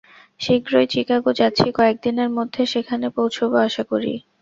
শীঘ্রই চিকাগো যাচ্ছি, কয়েক দিনের মধ্যে সেখানে পৌঁছব, আশা করি।